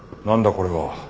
これは。